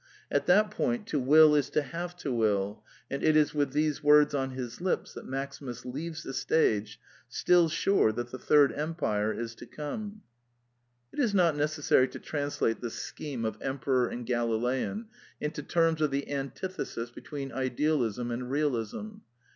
At that point " to will is to have to will "; and it is with these words on his lips that Maximus leaves the stage, still sure that the third empire is to come. It is not necessary to translate the scheme of 8o The Quintessence of Ibsenism Emperor and Galilean into terms of the antithesis between idealism and realism.